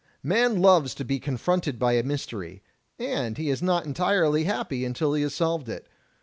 Man loves to be confronted by a mystery — and he is not entirely happy until he has solved it.